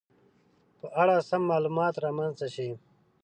په اړه سم معلومات رامنځته شي